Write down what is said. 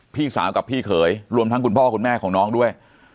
พี่สาวกับพี่เขยรวมทั้งคุณพ่อคุณแม่ของน้องด้วย